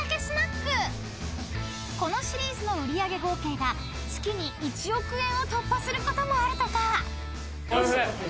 ［このシリーズの売り上げ合計が月に１億円を突破することもあるとか］